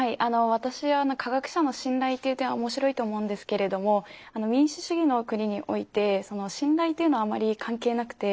私は科学者の信頼っていう点は面白いと思うんですけれども民主主義の国において信頼っていうのはあまり関係なくて。